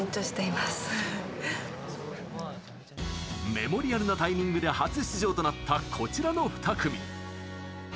メモリアルなタイミングで初出場となった、こちらの２組。